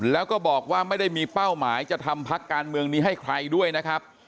แล้วก็บอกว่าไม่ได้มีเป้าหมายจะทำพักการเมืองนี้ให้ใครด้วยนะครับ